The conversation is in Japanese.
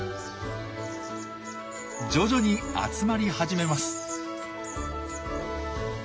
徐々に集まり始めます。